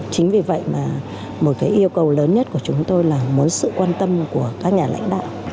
chính vì vậy mà một cái yêu cầu lớn nhất của chúng tôi là muốn sự quan tâm của các nhà lãnh đạo